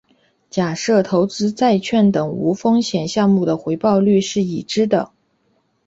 假设投资债券等无风险项目的回报率是已知的。